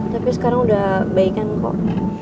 tapi sekarang udah baik kan kok